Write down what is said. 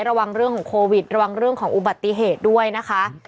ระวังเรื่องของโควิดระวังเรื่องของอุบัติเหตุด้วยนะคะ